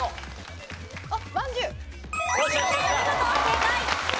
正解。